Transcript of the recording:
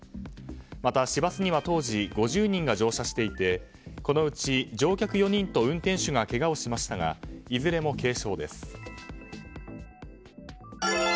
また、市バスには当時５０人が乗車していてこのうち乗客４人と運転手がけがをしましたがいずれも軽傷です。